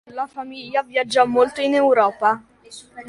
La famiglia viaggiò molto in Europa.